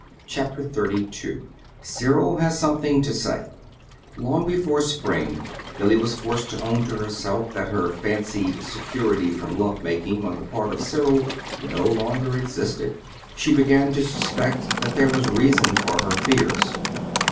CHAPTER XXXII CYRIL HAS SOMETHING TO SAY Long before spring Billy was forced to own to herself that her fancied security from lovemaking on the part of Cyril no longer existed. She began to suspect that there was reason for her fears.